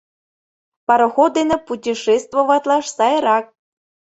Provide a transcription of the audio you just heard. Пароход дене путешествоватлаш сайрак.